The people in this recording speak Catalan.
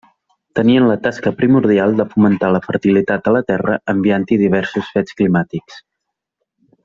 Tenien la tasca primordial de fomentar la fertilitat a la Terra, enviant-hi diversos fets climàtics.